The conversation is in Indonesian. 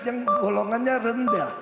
yang golongannya rendah